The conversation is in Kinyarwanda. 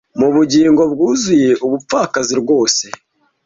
mubugingo bwuzuye umupfakazi rwose